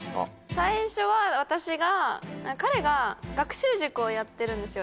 最初は私が彼が学習塾をやってるんですよ